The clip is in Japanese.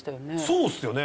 そうですよね。